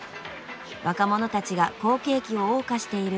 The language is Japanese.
若者たちが好景気を謳歌している